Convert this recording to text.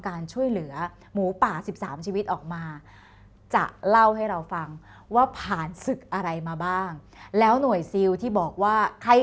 การช่วยเหลือหมูป่า๑๓ชีวิตออกมาจะเล่าให้เราฟังว่าผ่านศึกอะไรมาบ้างแล้วหน่วยซิลที่บอกว่าไข้